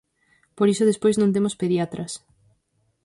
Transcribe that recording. Por iso despois non temos pediatras.